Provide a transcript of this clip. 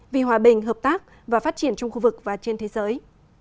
vì hòa bình hợp tác và phát triển trong khu vực và trên thế giới